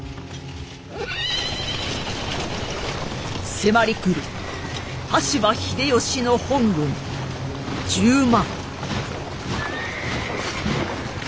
迫りくる羽柴秀吉の本軍１０万。